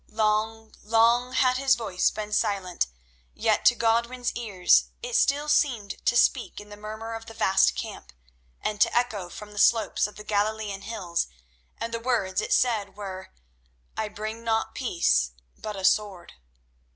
Long, long had His voice been silent, yet to Godwin's ears it still seemed to speak in the murmur of the vast camp, and to echo from the slopes of the Galilean hills, and the words it said were: "I bring not peace, but a sword."